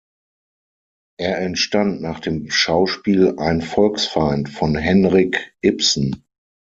Er entstand nach dem Schauspiel "Ein Volksfeind" von Henrik Ibsen.